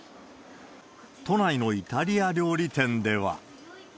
都内のイタリア料理店では。